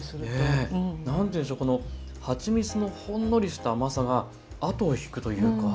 何て言うんでしょこのはちみつのほんのりとした甘さが後を引くというか。